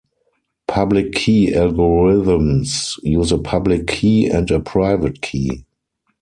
Public-key algorithms use a public key and a private key.